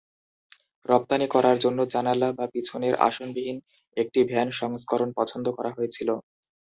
রপ্তানি করার জন্য, জানালা বা পিছনের আসনবিহীন একটি ভ্যান সংস্করণ পছন্দ করা হয়েছিল।